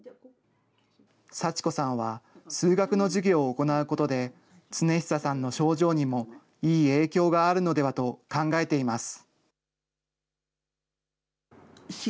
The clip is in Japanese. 祥子さんは、数学の授業を行うことで、亘久さんの症状にもいい影響があるのではと考えています。